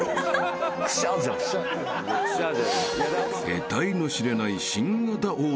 ［えたいの知れない］